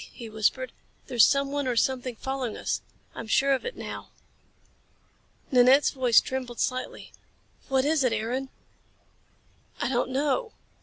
he whispered. "There's someone or something following us. I'm sure of it now." Nanette's voice trembled slightly. "What is it, Aaron?" "I don't know."